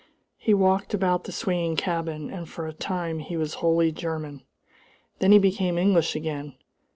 He walked about the swinging cabin, and for a time he was wholly German. Then he became English again.